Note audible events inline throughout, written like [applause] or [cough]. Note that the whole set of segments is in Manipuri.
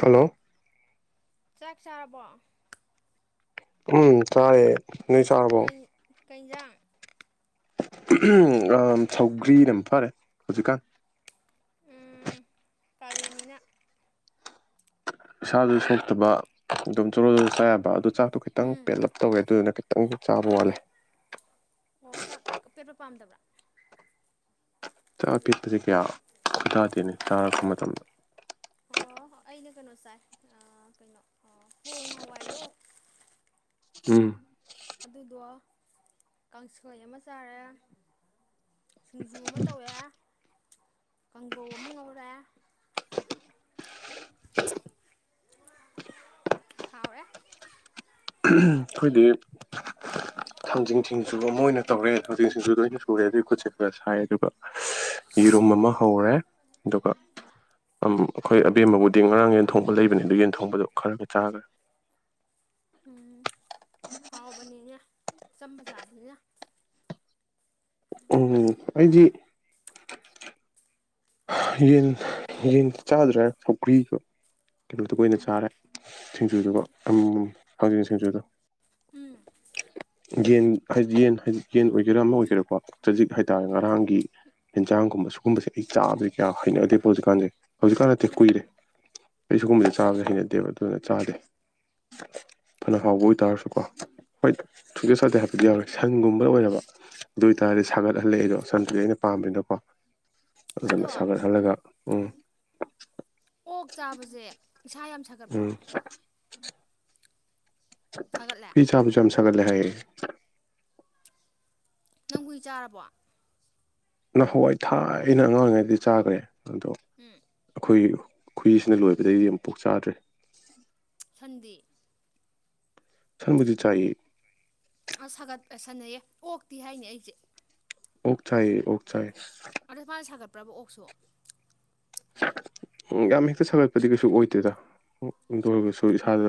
ꯍꯂꯣ ꯆꯥꯛ ꯆꯥꯔꯕꯣ ꯎꯝ ꯆꯥꯔꯦ ꯅꯣꯏ ꯆꯥꯔꯕꯣ ꯀꯩ ꯀꯩꯖꯥꯡ ꯁꯧꯒ꯭ꯔꯤꯅ ꯃꯐꯔꯦ ꯍꯧꯖꯤꯛꯀꯥꯟ ꯎꯝ ꯀꯥꯂꯦꯟꯅꯤꯅ ꯏꯁꯥꯁꯨ ꯁꯣꯛꯇꯕ ꯑꯗꯨꯝ ꯆꯨꯔꯣꯜꯗꯨꯁꯨ ꯆꯥꯕ ꯑꯗꯨ ꯆꯥꯛꯇꯣ ꯈꯤꯇꯪ ꯎꯝ ꯄꯦꯂꯞ ꯇꯧꯋꯦ ꯑꯗꯨꯗꯨꯅꯪ ꯈꯤꯇꯪ ꯆꯥꯕ ꯋꯥꯠꯂꯦ ꯑꯣꯛ ꯆꯥꯛ ꯄꯦꯠꯄ ꯄꯥꯝꯗꯕ꯭ꯔꯥ ꯆꯛ ꯑꯄꯤꯛꯄꯁꯦ ꯀꯌꯥ ꯆꯥꯗꯦꯅꯦ ꯇꯥꯔꯛꯄ ꯃꯇꯝꯗ ꯑꯣ ꯑꯩꯅ ꯀꯩꯅꯣ ꯆꯥꯏ ꯀꯩꯅꯣ ꯑ ꯄꯣꯡ ꯍꯋꯥꯏꯗꯣ ꯎꯝ ꯑꯗꯨꯗꯣ ꯀꯥꯡꯁꯣꯏ ꯑꯃ ꯆꯥꯔꯦ ꯁꯤꯡꯖꯨ ꯑꯃ ꯇꯧꯋꯦ ꯀꯥꯡꯒꯧ ꯑꯃ ꯉꯧꯔꯦ ꯍꯥꯎꯔꯦ ꯑꯩꯈꯣꯏꯗꯤ ꯊꯥꯡꯖꯤꯡ ꯊꯤꯡꯁꯨꯨꯕ ꯑꯃꯣꯏ ꯑꯣꯏꯅ ꯇꯧꯔꯦ ꯊꯥꯡꯖꯤꯡ ꯁꯤꯡꯁꯨ ꯂꯣꯏꯅ ꯁꯨꯔꯦ ꯑꯗꯨꯒꯤ ꯈꯨꯠꯁꯦ ꯈꯔ ꯁꯥꯏ ꯑꯗꯨꯒ ꯂꯨꯝ ꯑꯃ ꯍꯧꯔꯦ ꯑꯗꯨꯒ ꯑꯩꯈꯣꯏ ꯑꯕꯦꯝꯕꯕꯨꯗꯤ ꯉꯔꯥꯡ ꯌꯦꯟ ꯊꯣꯡꯕ ꯂꯩꯕꯅꯤ ꯑꯗꯨ ꯌꯦꯟ ꯊꯣꯡꯕꯗꯣ ꯈꯔꯒ ꯆꯥꯈ꯭ꯔꯦ [inaudible] ꯎꯝ ꯍꯥꯎꯕꯅꯤꯅꯦ ꯆꯝꯕ ꯆꯥꯕꯅꯤꯅ ꯎꯝ ꯑꯩꯗꯤ ꯌꯦꯟ ꯌꯦꯟ ꯆꯥꯗ꯭ꯔꯦ ꯁꯧꯀ꯭ꯔꯤꯒ ꯑꯂꯣꯗꯨꯒ ꯑꯣꯏꯅ ꯆꯥꯔꯦ ꯁꯤꯡꯖꯨꯗꯨꯒ ꯑꯗꯨ ꯊꯥꯡꯖꯤꯡ ꯁꯤꯡꯖꯨꯗꯣ ꯎꯝ ꯌꯦꯟꯗꯤ ꯌꯦꯟ ꯌꯦꯟ ꯑꯣꯏꯒꯦꯔꯥ ꯑꯃ ꯑꯣꯏꯒꯦꯔꯥꯀꯣ ꯆꯖꯤꯛ ꯍꯥꯏꯇꯥꯔꯦ ꯎꯝ ꯉꯔꯥꯡꯒꯤ ꯌꯦꯟꯖꯥꯡꯒꯨꯝꯕ ꯁꯤꯒꯨꯝꯁꯦ ꯑꯩ ꯆꯥꯕꯗꯤ ꯀꯌꯥ ꯍꯩꯅꯗꯦꯕ ꯍꯧꯖꯤꯛꯀꯥꯟꯗꯤꯦ ꯍꯧꯖꯤꯛꯀꯥꯟ ꯅꯠꯇꯦ ꯎꯝ ꯀꯨꯏꯔꯦ ꯀꯩꯁꯨꯒꯨꯝꯕꯗꯤ ꯆꯥꯒ ꯍꯩꯅꯗꯦꯕ ꯑꯗꯨꯅ ꯆꯥꯗꯦ ꯐꯅ ꯍꯥꯎꯕ ꯑꯣꯏꯇꯥꯔꯁꯨꯀꯣ ꯍꯣꯏ ꯁꯨꯗꯦ ꯁꯥꯥꯗꯦ ꯍꯥꯏꯕꯗꯤ ꯌꯥꯎꯔꯦ ꯁꯟꯒꯨꯝꯕꯗ ꯑꯣꯏꯅꯔꯕ ꯑꯗꯨ ꯑꯣꯏꯇꯥꯔꯗꯤ ꯁꯥꯒꯠꯍꯜꯂꯛꯦ ꯑꯩꯗꯣ ꯁꯟꯗꯨꯗꯤ ꯑꯩꯅ ꯄꯥꯝꯕꯅꯤꯅꯀꯣ ꯑꯗꯣ ꯑꯗꯨꯅ ꯁꯥꯒꯠꯍꯜꯂꯒ ꯎꯝ ꯑꯣꯛ ꯆꯥꯕꯁꯦ ꯏꯁꯥ ꯌꯥꯝ ꯁꯥꯒꯠꯄ꯭ꯔꯣ ꯎꯝ ꯁꯥꯒꯠꯂꯦ ꯍꯨꯏ ꯆꯥꯕꯁꯦ ꯌꯥꯝ ꯁꯥꯒꯠ ꯂꯦ ꯍꯥꯏꯌꯦ ꯅꯪ ꯀꯨꯏ ꯆꯥꯔꯕꯣ ꯅꯍꯥꯟꯋꯥꯏ ꯊꯥꯏ ꯑꯩꯅ ꯑꯉꯥꯡ ꯑꯣꯏꯔꯤꯉꯩꯗꯤ ꯆꯥꯈ꯭ꯔꯦ ꯑꯗꯣ ꯎꯝ ꯑꯩꯈꯣꯏ ꯈꯨꯏꯁꯤꯅ ꯂꯣꯏꯕꯗꯒꯤ ꯌꯥꯝ ꯄꯣꯛ ꯆꯥꯗ꯭ꯔꯦ ꯁꯟꯗꯤ ꯁꯟꯕꯨꯗꯤ ꯆꯥꯏꯌꯦ ꯑꯁ ꯁꯥꯒꯠꯄ ꯁꯥꯟꯅꯩꯌꯦ ꯑꯣꯛꯇꯤ ꯍꯥꯏꯅꯦ ꯑꯩꯁꯦ ꯑꯣꯛ ꯆꯥꯏꯌꯦ ꯑꯣꯛ ꯆꯥꯏ ꯑꯗ ꯃꯥꯅ ꯁꯥꯒꯠꯄ꯭ꯔꯕ ꯑꯣꯛꯁꯨ ꯎ ꯌꯥꯝ ꯍꯦꯛꯇ ꯁꯥꯒꯠꯄꯗꯤ ꯀꯩꯁꯨ ꯑꯣꯏꯗꯦꯗ ꯑꯗꯨꯗ ꯑꯣꯏꯔꯒꯁꯨ ꯏꯁꯥꯗ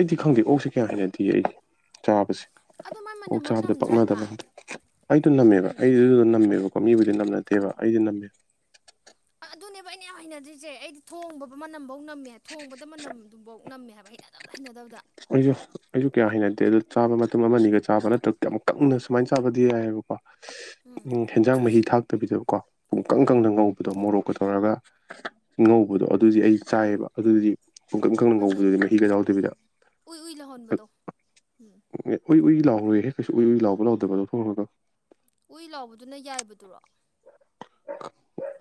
ꯑꯩꯗꯤ ꯈꯪꯗꯦ ꯑꯣꯛꯁꯦ ꯀꯌꯥ ꯍꯥꯏꯅꯗꯦ ꯑꯩꯗꯤ ꯆꯥꯕꯁꯦ ꯑꯗꯣ ꯃꯥꯏ ꯃꯅꯝ ꯑꯣꯛ ꯑꯃ ꯆꯥꯕꯗꯤ ꯅꯝꯗ꯭ꯔꯥꯏꯕ ꯄꯛꯅꯗꯅꯦ ꯑꯩꯗꯣ ꯅꯝꯃꯦꯕ ꯑꯩꯗꯨꯗ ꯅꯝꯃꯦꯕꯀꯣ ꯃꯤꯕꯨꯗꯤ ꯅꯝ ꯅꯠꯇꯦꯕ ꯑꯩꯗꯤ ꯅꯝꯃꯦꯕ ꯑꯗꯨꯅꯦꯕ ꯑꯩꯅ ꯌꯥꯝ ꯍꯩꯅꯗ꯭ꯔꯤꯁꯦ ꯑꯩꯗꯤ ꯊꯣꯡꯕ ꯃꯅꯝꯐꯥꯎ ꯅꯝꯃꯦ ꯊꯣꯡꯕꯗ ꯃꯅꯝꯗꯨꯐꯧ ꯅꯝꯃꯦ ꯍꯥꯏꯕ ꯃ ꯍꯩꯅ ꯑꯗꯨꯝꯇ ꯍꯩꯅꯗꯕꯗ ꯑꯩꯁꯨ ꯑꯩꯁꯨ ꯀꯌꯥ ꯍꯩꯅꯗꯦ ꯑꯗꯨ ꯆꯥꯕ ꯃꯇꯝ ꯑꯃꯅꯤꯒ ꯆꯥꯕ ꯅꯠꯇ꯭ꯔꯒ ꯀ ꯀꯪꯅ ꯁꯨꯃꯥꯏꯅ ꯆꯥꯕꯗꯤ ꯌꯥꯏꯑꯕꯀꯣ ꯎꯝ ꯎ ꯍꯦꯟꯖꯥꯡ ꯃꯍꯤ ꯊꯥꯛꯇꯕꯤꯗꯀꯣ ꯄꯨꯡꯀꯪ ꯎꯝ ꯀꯪꯅ ꯉꯧꯕꯗꯣ ꯃꯣꯔꯣꯛ ꯀꯊꯧꯔꯒꯉꯧꯕꯗꯣ ꯑꯗꯨ ꯑꯗꯨꯗꯤ ꯑꯩ ꯆꯥꯏꯑꯕ ꯑꯗꯨꯗꯨꯗꯤ ꯈꯨꯡꯀꯪ ꯈꯪꯅꯪ ꯍꯣꯏꯅꯦ ꯉꯧꯕꯗꯨꯗꯤ ꯃꯍꯤꯒ ꯌꯥꯎꯗꯕꯤꯗ ꯎꯏ ꯎꯏ ꯂꯍꯣꯟꯕꯗꯣ ꯎꯝ ꯎꯏ ꯎꯏ ꯂꯥꯎꯔꯣꯏ ꯍꯦꯛ ꯀꯩꯁꯨ ꯎꯏ ꯎꯏ ꯂꯥꯎꯕ ꯂꯥꯎꯗꯕ ꯂꯧꯊꯣꯡꯒ ꯎꯏ ꯂꯥꯎꯕꯗꯨꯅ ꯌꯥꯏꯕꯗꯨꯔꯣ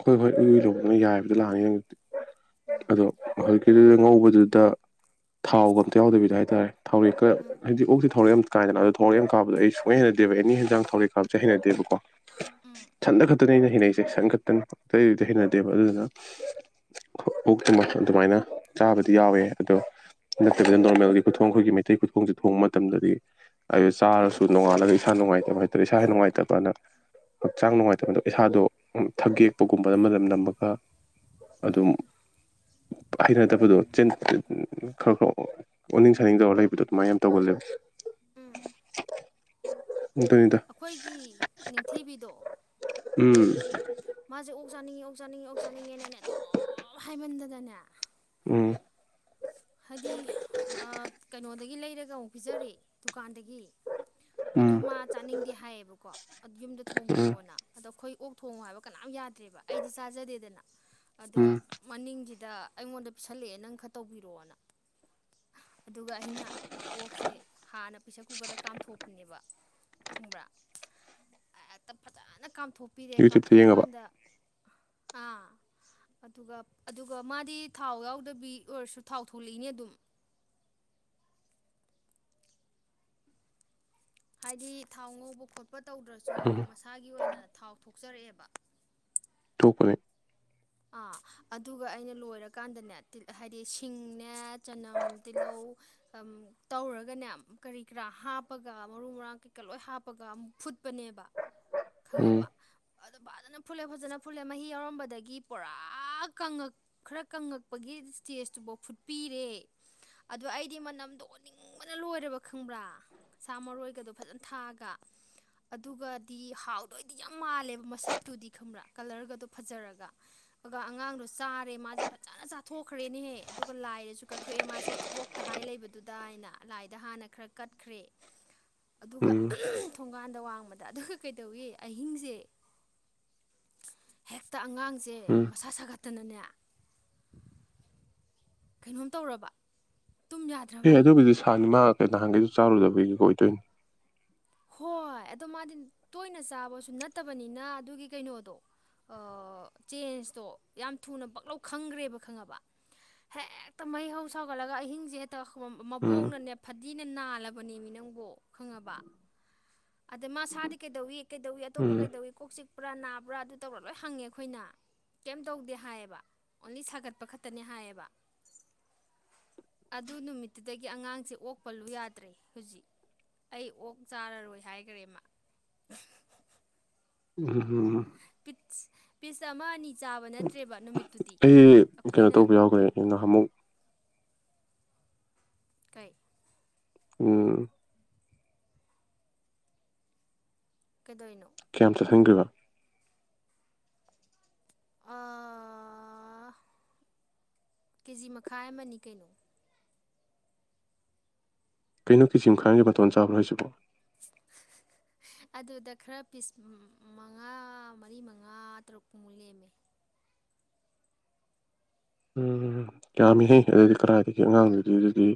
ꯍꯣꯏ ꯍꯣꯏ ꯏꯏ ꯂꯗꯅ ꯌꯥꯏꯕꯗꯤ ꯂꯥꯛꯅꯤ ꯎꯝ ꯑꯗꯣꯣꯏ ꯁꯤꯗꯨꯗ ꯉꯧꯕꯗꯨꯗ ꯊꯥꯎꯒ ꯑꯝꯇ ꯌꯥꯎꯗꯕꯤꯗ ꯍꯥꯏꯇꯥꯔꯦ ꯊꯥꯎꯔꯦꯛ ꯈꯔ ꯎꯝ ꯍꯥꯏꯗꯤꯛ ꯑꯣꯛꯁꯤ ꯊꯥꯎꯔꯦꯛ ꯑꯃꯝꯇ ꯀꯥꯏꯗꯅ ꯑꯗꯣ ꯊꯧꯛ ꯌꯥꯝ ꯀꯥꯕꯗꯣ ꯑꯩ ꯁꯣꯏꯅ ꯍꯩꯅꯗꯦꯕ ꯑꯦꯅꯤ ꯍꯟꯖꯥꯡ ꯊꯧꯛꯦꯛ ꯀꯥꯞꯕꯁꯤꯁꯦ ꯍꯩꯅꯗꯦꯕꯀꯣ ꯎꯝ ꯁꯟꯗ ꯈꯛꯇ ꯑꯗꯨꯅ ꯑꯩꯅ ꯍꯩꯅꯟꯅꯩꯏꯁꯦꯪꯈꯛꯇꯅ ꯍꯩꯅꯗꯦꯕ ꯑꯗꯨꯗꯨꯅꯥ ꯑꯣꯛꯇꯨꯃ ꯑꯗꯨꯃꯥꯏꯅ ꯆꯥꯕꯗꯤ ꯌꯥꯎꯋꯦ ꯑꯗꯣ ꯅꯠꯇꯕꯤꯗ ꯅꯣꯔꯃꯦꯜꯒꯤ ꯈꯨꯊꯣꯡ ꯑꯩꯈꯣꯏꯒꯤ ꯃꯩꯇꯩ ꯈꯨꯊꯣꯡꯁꯦ ꯊꯣꯡꯕ ꯃꯇꯝꯗꯗꯤ ꯑꯗꯨ ꯆꯥꯔꯁꯨ ꯅꯣꯡꯉꯥꯂꯒ ꯏꯁꯥ ꯅꯨꯡꯉꯥꯏꯇꯕ ꯍꯥꯏꯇꯥꯔꯦ ꯏꯁꯥ ꯍꯦ ꯅꯨꯡꯉꯥꯏꯇꯕꯅ ꯍꯛꯆꯥꯡ ꯅꯨꯡꯉꯥꯏꯇꯕꯗ ꯏꯁꯥꯗꯣ ꯊꯒꯦꯛꯄꯒꯨꯝꯕꯅꯅ ꯅꯝꯃꯒ ꯑꯗꯨꯝ ꯎꯝ ꯍꯩꯅꯗꯕꯗꯣ ꯈꯔ ꯈꯔ ꯑꯣꯅꯤꯡ ꯁꯥꯅꯤꯡꯗꯧꯔ ꯂꯩꯕꯗꯣ ꯑꯗꯨꯃꯥꯏꯅ ꯌꯥꯝꯅ ꯇꯧꯒ ꯂꯩ ꯎꯝ [unintelligible] ꯑꯩꯈꯣꯏꯒꯤ ꯅꯤꯡꯊꯤꯕꯤꯗꯣ ꯎꯝ ꯃꯥꯁꯦ ꯑꯣꯛ ꯆꯥꯅꯤꯡꯉꯤ ꯑꯣꯛ ꯆꯥꯅꯤꯡꯉꯤ ꯑꯣꯛ ꯆꯥꯅꯤꯡꯉꯦꯅꯦꯅꯦ ꯑꯗꯨꯝ ꯍꯥꯏꯃꯟꯗꯗꯅꯦ ꯎꯝ ꯍꯥꯏꯗꯤ ꯀꯩꯅꯣꯗꯒꯤ ꯂꯩꯔꯒꯥ ꯑꯃꯨꯛ ꯄꯤꯖꯔ ꯗꯨꯀꯥꯟꯗꯒꯤ ꯑꯗꯨ ꯎꯝ ꯃꯥ ꯆꯥꯅꯤꯡꯗꯦ ꯍꯥꯏꯌꯦꯕꯀꯣ ꯑꯗꯨ ꯌꯨꯝꯗꯥ ꯎꯝ ꯊꯣꯡꯕꯤꯌꯣꯅ ꯑꯗꯣ ꯑꯩꯈꯣꯏ ꯑꯣ ꯊꯣꯡꯉꯣ ꯍꯥꯏꯕ ꯀꯅꯥꯝ ꯌꯥꯗ꯭ꯔꯦꯕ ꯑꯩꯗꯤ ꯆꯥꯖꯗꯦꯗꯅ ꯑꯗꯣ ꯎꯝ ꯃꯅꯤꯡꯁꯤꯗꯤ ꯁꯤꯗ ꯑꯩꯉꯣꯟꯗꯥ ꯄꯤꯁꯜꯂꯛꯑꯦ ꯅꯪ ꯈꯔ ꯇꯧꯕꯤꯔꯛꯑꯣꯅ [unintelligible] ꯑꯗꯨꯒ ꯑꯩꯅ ꯑꯣꯛꯁꯦ ꯍꯥꯟꯅ ꯄ꯭ꯔꯦꯁꯔ ꯀꯨꯀꯔꯗ ꯀꯥꯝꯊꯣꯛꯄꯅꯦꯕ ꯊꯨꯡꯕ꯭ꯔ [unintelligible] ꯀꯥꯝꯊꯣꯛꯄꯤꯔꯦ ꯌꯨꯇ꯭ꯌꯨꯕꯇ ꯌꯦꯡꯉꯕ ꯀꯥꯝꯊꯣꯛꯑꯀꯥꯟꯗ ꯑꯥ ꯑꯗꯨꯒ ꯑꯗꯨꯒ ꯃꯥꯗꯤ ꯊꯥꯎ ꯌꯥꯎꯗꯕꯤ ꯑꯣꯏꯔꯁꯨ ꯊꯥꯎ ꯊꯣꯛꯣꯂꯛꯏꯅꯦ ꯑꯗꯨꯝ ꯍꯥꯏꯗꯤ ꯊꯥꯎ ꯉꯧꯕ ꯈꯣꯠꯄ ꯇꯧꯗ꯭ꯔꯁꯨ ꯎꯝ ꯃꯁꯥꯒꯤ ꯑꯣꯏꯅ ꯊꯥꯎ ꯊꯣꯛꯆꯔꯛꯑꯦꯕ ꯇ ꯑꯥ ꯑꯗꯨꯒ ꯑꯩꯅ ꯂꯣꯏꯔꯀꯥꯟꯗꯅꯦ ꯍꯥꯏꯗꯤ ꯁꯤꯡꯅꯦ ꯆꯅꯝ ꯇꯤꯜꯍꯧ ꯇꯧꯔꯒꯅꯦ ꯀꯔꯤ ꯀꯔꯥ ꯍꯥꯞꯄꯒ ꯃꯔꯨ ꯃꯔꯥꯡ ꯀꯩꯀꯥ ꯂꯣꯏ ꯍꯥꯞꯄꯒ ꯑꯃꯨ ꯐꯨꯠꯄꯅꯦꯕ ꯎꯝ ꯈꯪꯉꯕ ꯑꯗꯣ ꯐꯖꯅ ꯐꯨꯜꯂꯦ ꯐꯖꯅ ꯐꯨꯂꯦ ꯃꯍꯤ ꯌꯥꯎꯔꯝꯕꯗꯒꯤ ꯄꯨꯔꯥ ꯀꯪꯉꯛ ꯈꯔ ꯀꯪꯉꯛꯄꯒꯤ ꯏꯁꯇꯦꯁꯇꯨꯐꯥꯎ ꯐꯨꯠꯄꯤꯔꯦ ꯑꯗꯨꯗ ꯑꯩꯗꯤ ꯃꯅꯝꯗꯣ ꯑꯣꯅꯤꯡꯕꯅ ꯂꯣꯏꯔꯦꯔꯕ ꯈꯪꯕ꯭ꯔꯥ ꯁꯥ ꯃꯔꯣꯏꯒꯗꯣ ꯐꯖꯅ ꯊꯥꯛꯑꯒ ꯑꯗꯨꯒꯗꯤ ꯍꯥꯎꯗꯣꯏꯗꯤ ꯌꯥꯝ ꯃꯥꯜꯂꯦꯕ ꯃꯁꯛꯇꯨꯗꯤ ꯈꯪꯕ꯭ꯔꯥ ꯀꯂꯔꯒꯗꯣ ꯐꯖꯔꯒ ꯑ ꯑꯉꯥꯡꯗꯣ ꯆꯥꯔꯦ ꯃꯥꯁꯦ ꯐꯖꯅ ꯆꯥꯊꯣꯛꯈ꯭ꯔꯦꯅꯦꯍꯦ ꯑꯗꯨꯒ ꯂꯥꯏꯔꯁꯨ ꯀꯠꯊꯣꯛꯑꯦ ꯃꯥꯁꯦ ꯀꯣꯛꯇ ꯍꯥꯏꯥꯏ ꯂꯩꯕꯗꯨꯗ ꯑꯩꯅ ꯂꯥꯏꯗ ꯍꯥꯟꯅ ꯈꯔ ꯀꯠꯈ꯭ꯔꯦ ꯑꯗꯨꯒ ꯎꯝ ꯊꯣꯡꯒꯥꯟꯗ ꯋꯥꯡꯃꯗ ꯑꯗꯨꯒ ꯀꯩꯗꯧꯏꯤ ꯑꯍꯤꯡꯁꯦ ꯍꯦꯛꯇ ꯑꯉꯥꯡꯁꯦ ꯎꯝ ꯃꯁꯥ ꯁꯥꯒꯠꯇꯅꯅꯦ ꯀꯩꯅꯣꯝ ꯇꯧ ꯔꯕ ꯍ ꯑꯗꯨꯒꯤꯗꯤ ꯁꯥꯅꯤ ꯃꯥ ꯀꯩ ꯅꯍꯥꯟꯒꯩꯁꯨ ꯆꯥꯔꯨꯗꯕꯒꯤ ꯑꯣꯏꯗꯣꯏꯅꯤ ꯍꯣꯏ ꯑꯗꯣ ꯃꯥꯗꯤ ꯇꯣꯏꯅ ꯆꯥꯕꯁꯨ ꯅꯠꯇꯕꯅꯤꯅ ꯑꯗꯨꯒꯤ ꯀꯩꯅꯣꯗꯣ ꯆꯦꯟꯖꯇꯣ ꯌꯥꯝ ꯊꯨꯅ ꯄꯛꯂꯧ ꯈꯪꯈ꯭ꯔꯦꯕ ꯈꯪꯉꯕ ꯍꯦꯛꯇ ꯃꯍꯩ ꯍꯧ ꯁꯥꯎꯒꯠꯂꯒ ꯑꯍꯤꯡꯁꯦ ꯍꯦꯛꯇ ꯎꯝ ꯃꯕꯣꯛꯅꯅꯦ ꯐꯗꯤꯅ ꯅꯥꯜꯂꯕꯅꯤꯃꯤꯅ ꯑꯗ ꯃꯥꯗꯤꯩ ꯎꯝ ꯑꯇꯣꯞꯄꯩ ꯄꯨꯔꯥ ꯅꯥꯕ꯭ꯔꯥ ꯑꯗꯨ ꯇꯧꯕꯔꯥ ꯂꯣꯏ ꯍꯪꯉꯦ ꯑꯩꯈꯣꯏꯅ ꯀꯩꯝ ꯇꯧꯗꯦ ꯍꯥꯏꯌꯦꯕ ꯑꯣꯡꯂꯤ ꯁꯥꯒꯠꯄ ꯈꯛꯇꯅꯤ ꯍꯥꯏꯌꯦꯕ ꯑꯗꯨ ꯅꯨꯃꯤꯠꯇꯨꯗꯒꯤ ꯑꯉꯥꯡꯁꯦ ꯑꯣꯛꯄꯂꯨ ꯌꯥꯗ꯭ꯔꯦ ꯍꯧꯖꯤꯛ ꯑꯩ ꯑꯣꯛ ꯆꯥꯔꯔꯣꯏ ꯍꯥꯏꯈꯔꯦꯃ ꯎꯝ ꯄꯤꯁ ꯑꯃ ꯑꯅꯤ ꯆꯥꯕ ꯅꯠꯇ꯭ꯔꯦꯕ ꯅꯨꯃꯤꯠ ꯑꯩ ꯀꯩꯅꯣ ꯇꯧꯕ ꯌꯥꯎꯈ꯭ꯔꯦ ꯅ ꯑꯃꯨꯛ ꯀꯩ ꯑꯣ ꯀꯩꯗꯣ ꯏꯅꯣ ꯀꯦꯝꯇ ꯊꯦꯡꯈꯤꯕ [unintelligible] ꯀꯦꯖꯤ ꯃꯈꯥꯏ ꯑꯃꯅꯤ ꯀꯩꯅꯣ ꯀꯩꯅꯣ ꯀ ꯁꯤꯖꯤꯝ ꯈꯥꯒꯤ ꯇꯣꯟ ꯆꯥꯕꯜꯖꯕ [unintelligible] ꯑꯗꯨꯗ ꯈꯔ ꯄꯤꯁ ꯃꯉꯥ ꯃꯔꯤ ꯃꯉꯥ ꯇꯔꯨꯛ ꯄꯨꯡꯃꯨꯛ ꯂꯦꯝꯃꯦ ꯎꯝꯝ ꯌꯥꯝꯃꯤꯍꯩ ꯑꯗꯨꯗꯤ ꯀꯗꯥꯥꯏꯗꯒꯤ ꯑꯉꯥꯡꯗꯨꯗꯤ ꯑꯗꯨꯗꯤ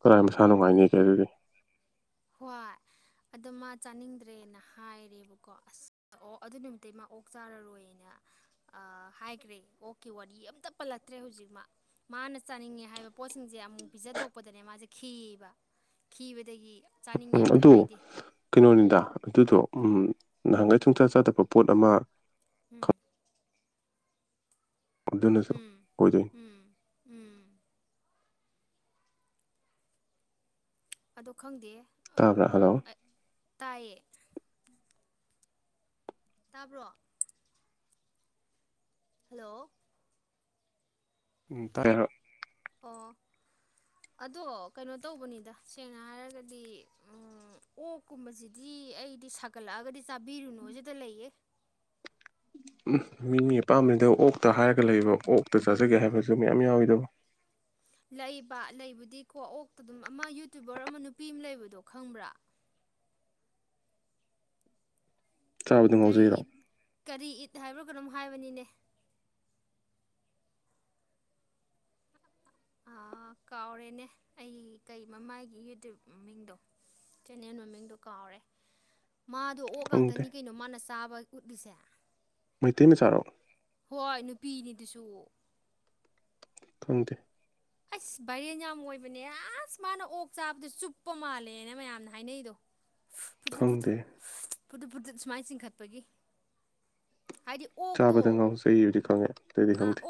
ꯀꯔꯥꯏ ꯃꯁꯥ ꯅꯨꯡꯉꯥꯏꯅꯤꯒꯦ ꯑꯗꯨꯗꯤ ꯍꯣꯏ ꯑꯗꯣ ꯃꯥ ꯆꯥꯅꯤꯡꯗ꯭ꯔꯦꯅ ꯍꯥꯏꯔꯦꯕꯀꯣ ꯑꯁ ꯑꯣ ꯑꯗꯨ ꯅꯨꯃꯤꯠꯇ ꯃꯥ ꯑꯣꯛ ꯆꯥꯔꯔꯣꯏꯅ ꯍꯥꯏꯈ꯭ꯔꯦ ꯑꯣꯛꯀꯤ ꯋꯥꯔꯤ ꯑꯝꯇ ꯄꯜꯂ ꯐꯠꯇ꯭ꯔꯦ ꯍꯧꯖꯤꯛ ꯃꯥ ꯃꯥꯅ ꯆꯥꯅꯤꯡꯉꯦ ꯍꯥꯏꯕ ꯄꯣꯠꯁꯤꯡꯁꯦ ꯑꯃꯨꯛ ꯄꯤꯖꯊꯣꯛꯄꯗꯅꯦ ꯃꯥꯁꯦ ꯈꯤꯌꯦꯕ ꯀꯤꯕꯗꯗꯒꯤ ꯎꯝ ꯑꯗꯨ ꯀꯩꯅꯣꯅꯤꯗ ꯑꯗꯨꯗꯣ ꯎꯝ ꯅꯍꯥꯟꯈꯩ ꯊꯨꯡꯆꯥ ꯆꯥꯗꯕ ꯄꯣꯠ ꯑꯃ ꯎꯝ ꯑꯗꯨꯅꯁꯨ ꯎꯝ ꯑꯣꯏꯗꯣꯏꯅꯤ ꯎꯝ ꯎꯝ ꯑꯗꯣ ꯈꯪꯗꯦ ꯇꯥꯕ꯭ꯔꯥ ꯍꯜꯂꯣ ꯇꯥꯏꯌꯦ ꯇꯥꯕ꯭ꯔꯣ ꯍꯜꯂꯣ ꯎꯝ ꯇꯔꯦꯔꯣ ꯑꯣ ꯑꯗꯣ ꯀꯩꯅꯣ ꯇꯧꯕꯅꯤꯗ ꯁꯦꯡꯅ ꯍꯥꯏꯔꯒꯗꯤ ꯑꯣꯛꯀꯨꯝꯕꯁꯤꯗꯤ ꯑꯩꯗꯤ ꯁꯥꯒꯠꯂꯛꯑꯒꯗꯤ ꯆꯥꯕꯤꯔꯨꯅꯨ ꯁꯤꯗ ꯂꯩꯌꯦ [inaudible] ꯎꯝ ꯃꯤꯅꯤ ꯑꯄꯥꯝꯕꯗꯨꯗ ꯑꯣꯛꯇ ꯍꯥꯏꯔꯒ ꯂꯩꯕ ꯑꯣꯛꯇ ꯆꯥꯖꯒꯦ ꯍꯥꯏꯕꯁꯨ ꯃꯌꯥꯝ ꯌꯥꯎꯋꯤꯗꯕ [unintelligible] ꯂꯩꯕ ꯂꯩꯕꯨꯗꯤꯀꯣ ꯑꯣꯛꯇ ꯑꯗꯨꯝ ꯑꯃ ꯌꯨꯇ꯭ꯨꯕꯔ ꯑꯃ ꯅꯨꯄꯤ ꯑꯃ ꯂꯩꯕꯗꯣ ꯈꯪꯕ꯭ꯔꯥ ꯆꯥꯕꯗ ꯀꯔꯤ ꯉꯥꯎꯖꯩꯔꯣ ꯏꯠ ꯀꯔꯤ ꯏꯠ ꯍꯥꯏꯕ꯭ꯔ ꯀꯅꯣꯝ ꯍꯥꯏꯕꯅꯤꯅꯦ [unintelligible] ꯀꯥꯎꯔꯦꯅꯦ ꯑꯩꯒꯤ ꯀꯩ ꯃꯃꯥꯏꯒꯤ ꯌꯨꯇ꯭ꯌꯕ ꯃꯃꯤꯡꯗꯣ ꯆꯦꯟꯅꯦꯜ ꯃꯃꯤꯡꯗꯣ ꯀꯥꯎꯔꯦ ꯃꯥꯗꯣ ꯑꯣꯛ ꯈꯪꯗꯦ ꯉꯥꯛꯇꯅꯤ ꯀꯩꯅꯣ ꯃꯥꯅ ꯆꯥꯕ ꯎꯠꯂꯤꯁꯦ ꯃꯩꯇꯩ ꯃꯆꯥꯔꯣ ꯍꯣꯏ ꯅꯨꯄꯤꯅꯤꯗꯨꯁꯨ ꯊꯪꯗꯦ ꯑꯁ ꯚꯔꯦꯟ ꯌꯥꯝ ꯑꯣꯏꯕꯅꯦ ꯑꯁ ꯃꯥꯅ ꯑꯣꯛ ꯆꯥꯕꯗꯨ ꯆꯨꯞꯄ ꯃꯥꯜꯂꯦꯅ ꯃꯌꯥꯝꯅ ꯍꯥꯏꯅꯩꯗꯣ ꯇ꯭ꯔꯨꯞꯨꯞ ꯈꯪꯗꯦ ꯐꯠꯇ꯭ꯔꯨꯨꯞ ꯄꯨꯇ꯭ꯔꯨꯨꯞ ꯁꯨꯃꯥꯏꯅ ꯆꯤꯡꯈꯠꯄꯒꯤ ꯍꯥꯏꯗꯤ ꯑꯣꯛꯇꯣ ꯆꯥꯕꯗ ꯉꯥꯎꯁꯦ ꯑꯩꯨꯗꯤ ꯈꯪꯉꯦ ꯑꯗꯨꯏꯗꯤ ꯈꯪꯗꯦ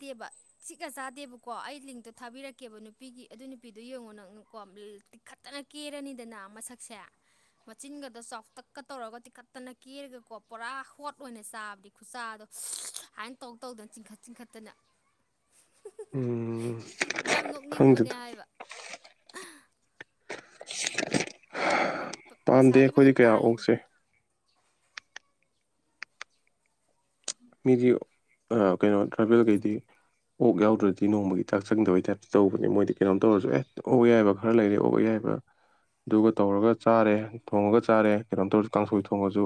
ꯦꯕ ꯁꯤꯒ ꯆꯥꯗꯦꯕ ꯀꯣ ꯑꯩ ꯂꯤꯡꯇꯣ ꯊꯥꯕꯤꯔꯛꯀꯦꯕ ꯅꯨꯄꯤꯒꯤ ꯑꯗꯨ ꯅꯨꯄꯤꯗꯨꯣ ꯌꯦꯡꯉꯣ ꯅꯪꯅꯀꯣ ꯇꯤꯛꯈꯠꯇꯅ ꯀꯦꯔꯅꯤꯗꯅ ꯃꯁꯛꯁꯦ ꯃꯆꯤꯟꯒꯗ ꯆꯥꯎꯇꯛꯀ ꯇꯧꯔꯒ ꯇꯤꯛꯈꯠꯇꯅ ꯀꯦꯔꯒꯀꯣ ꯄꯨꯔꯥ ꯍꯣꯠ ꯑꯣꯏꯅ ꯆꯥꯕꯗꯤ ꯈꯨꯆꯥꯥꯗꯣ ꯍꯥꯏꯅ ꯇꯧ ꯇꯧꯗꯅ ꯆꯤꯡꯈꯠ ꯆꯤꯡꯈꯠꯇꯅ ꯎꯝ ꯌꯥꯝ ꯅꯣꯛꯅꯤꯡꯕꯅꯦ ꯈꯪꯗꯦꯗ ꯍꯥꯏꯕ ꯄꯥꯝꯗꯦ ꯄꯩꯁꯥꯗꯤ ꯑꯩꯈꯣꯏꯗꯤ ꯐꯖꯅ ꯀꯌꯥ ꯇꯥꯜꯂꯤꯅꯤ ꯑꯣꯛꯁꯦ ꯃꯤꯗꯤ ꯀꯩꯅꯣ ꯇ꯭ꯔꯥꯚꯦꯜꯈꯩꯗꯤ ꯑꯣꯛ ꯌꯥꯎꯗ꯭ꯔꯗꯤ ꯅꯣꯡꯃꯒꯤ ꯆꯥꯛ ꯆꯪꯗꯕꯩ ꯇꯥꯏꯞꯇ ꯇꯧꯕꯅꯦ ꯃꯣꯏꯗꯤ ꯀꯩꯅꯣꯝ ꯇꯧꯔꯁꯨ ꯑꯦ ꯑꯣꯛ ꯌꯥꯏꯕ ꯈꯔ ꯂꯩꯔꯦ ꯑꯣꯛ ꯌꯥꯏ ꯑꯗꯨꯒ ꯇꯧꯔꯒ ꯆꯥꯔꯦ ꯊꯣꯡꯉꯒ ꯆꯥꯔꯦ ꯀꯩꯅꯣꯝꯇꯧꯔꯁꯨ ꯀꯥꯡꯁꯣꯏ ꯊꯣꯡꯉꯁꯨ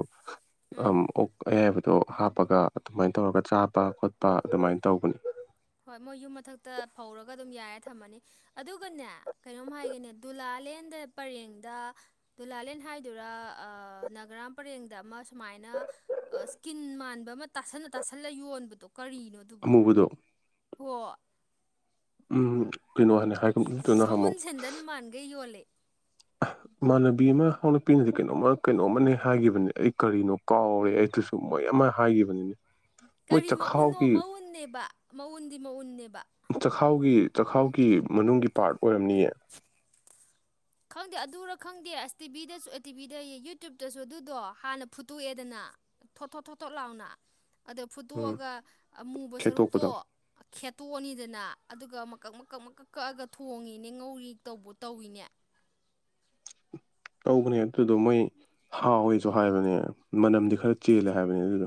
ꯎꯝ ꯑꯣꯛ ꯑꯌꯥꯏꯕꯗꯣ ꯍꯥꯞꯄꯒ ꯑꯗꯨꯃꯥꯏꯅ ꯇꯧꯔꯒ ꯆꯥꯕ ꯈꯣꯠꯄ ꯑꯗꯨꯃꯥꯏꯅ ꯇꯧꯕꯅꯤ ꯍꯣꯏ ꯃꯣꯏ ꯌꯨꯝ ꯃꯊꯛꯇ ꯐꯧꯔꯒ ꯑꯗꯨꯝ ꯌꯥꯔꯦ ꯊꯝꯃꯅꯤ ꯑꯗꯨꯒꯅꯦ ꯀꯩꯅꯣꯝ ꯍꯥꯏꯒꯦꯅꯦ ꯗꯨꯂꯥ ꯂꯥꯂꯦꯟꯗ ꯄꯔꯦꯡꯗ ꯨꯂꯥꯂꯦꯟ ꯍꯥꯏꯗꯨꯔ ꯅꯅꯥꯒꯔꯥꯝ ꯄꯔꯦꯡꯗ ꯑꯃ ꯁꯨꯃꯥꯏꯅ ꯁ꯭ꯀꯤꯟ ꯃꯥꯟꯕ ꯑꯃ ꯇꯥꯁꯜꯟꯅ ꯇꯥꯁꯜꯂ ꯌꯣꯟꯕꯗꯣ ꯀꯔꯤꯅꯣ ꯑꯗꯨꯕꯨ ꯑꯃꯨꯕꯗꯣ ꯍꯣ ꯎꯝ ꯀꯩꯅꯣ ꯍꯥꯏꯅꯤ ꯍꯥꯏꯗꯨꯅ ꯁꯎꯟ ꯑꯃꯨꯛ ꯁꯦꯟꯗꯟ ꯃꯥꯟꯒꯩ ꯌꯣꯜꯂꯦ [inaudible] ꯏꯃꯥꯟꯅꯕꯤ ꯑꯃ ꯍꯧꯂꯛꯄꯤꯅꯗꯤ ꯀꯩꯅꯣꯝꯃ ꯀꯩꯅꯣꯝꯃꯅꯦ ꯍꯥꯏꯒꯤꯈꯤꯕꯅꯦ ꯑꯩ ꯀꯔꯤꯅꯣ ꯀꯥꯎꯔꯦ ꯑꯩꯗꯨꯁꯨ ꯃ ꯑꯃ ꯍꯥꯏꯈꯤꯕꯅꯤꯅꯦ ꯃꯣꯏ ꯀꯔꯤ ꯃꯎꯟꯅꯣ ꯆꯈꯥꯎꯒꯤ ꯃꯎꯨꯟꯅꯦꯕ ꯃꯎꯟꯗꯤ ꯃꯎꯟꯅꯦꯕ ꯆꯥꯛꯈꯥꯎꯒꯤ ꯆꯈꯥꯎꯒꯤ ꯃꯅꯨꯡꯒꯤ ꯄꯥꯔꯠ ꯑꯣꯏꯔꯝꯅꯤꯌꯦ ꯈꯪꯗꯦ ꯑꯗꯨꯔ ꯈꯪꯗꯦ ꯑꯁ ꯇꯤꯚꯤꯗꯁꯨ ꯑꯦ ꯇꯤꯚꯤꯗ ꯌꯨꯇꯌꯨꯕꯇꯁꯨ ꯑꯗꯨꯗꯣ ꯍꯥꯟꯅ ꯐꯨꯠꯇꯣꯛꯑꯦꯗꯅ ꯊꯣꯠ ꯊꯣꯠ ꯊꯣꯠ ꯊꯣꯠ ꯂꯥꯎꯅ ꯑꯗ ꯎꯝ ꯐꯨꯠꯇꯣꯛꯑꯒ ꯃꯨꯕ ꯁꯔꯨꯛꯇꯣ ꯈꯦꯠꯇꯣꯛꯄꯗꯣ ꯈꯦꯠꯇꯣꯛꯑꯅꯤꯗꯅ ꯑꯗꯨꯒ ꯃꯀꯛ ꯃꯀꯛ ꯃꯀꯛ ꯀꯛꯑꯒ ꯊꯣꯡꯉꯤꯅꯦ ꯉꯧꯔꯤ ꯇꯧꯕ ꯇꯧꯏꯅꯦ ꯇꯧꯕꯅꯦ ꯑꯗꯨꯗꯣ ꯃꯣꯏ ꯍꯥꯎꯋꯦꯁꯨ ꯍꯥꯏꯕꯅꯦ ꯃꯅꯝꯗꯤ ꯈꯔ ꯆꯦꯜꯂꯦ ꯍꯥꯏꯕꯅꯦ ꯑꯗꯨꯗꯣ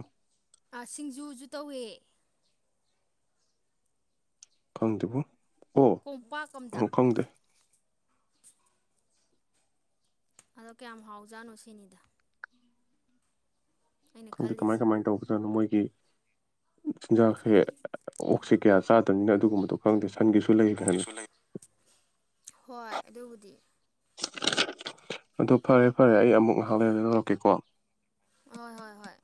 ꯁꯤꯡꯖꯨꯁꯨ ꯇꯧꯏꯦ ꯈꯪꯗꯕꯨꯨ ꯀꯣꯝꯄꯥꯛ ꯑꯝꯗ ꯑꯗꯣ ꯀꯌꯥꯝ ꯍꯥꯎꯖꯥꯠꯅꯣ ꯁꯤꯅꯤꯗ ꯑꯩꯅ ꯈꯪꯗ ꯀꯃꯥꯏ ꯈꯜꯂꯤꯁꯦ ꯀꯃꯥꯏꯅ ꯇꯧꯕꯖꯠꯅꯣ ꯃꯣꯏ ꯆꯤꯟꯖꯥꯛꯁꯦ ꯑꯣꯛꯁ ꯀꯌꯥ ꯆꯥꯗꯕꯅꯤꯅ ꯑꯗꯨꯒꯨꯝꯕꯗꯣ ꯈꯪꯗꯦ ꯆꯠ ꯍꯣꯏ ꯑꯗꯨꯕꯨꯗꯤ ꯑꯗꯨ ꯐꯔꯦ ꯐꯔꯦ ꯑꯩ ꯑꯃꯨꯛ ꯍꯥꯟ ꯂꯩꯔ ꯂꯧꯧꯔꯛꯀꯦꯀꯣ ꯍ ꯍꯣꯏ ꯍꯣꯏ